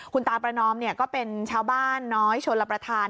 คุณตาประนอมก็เป็นชาวบ้านน้อยชนรับประทาน